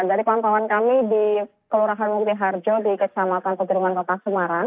dari pantauan kami di kelurahan munti harjo di kecamatan pegerungan kota semarang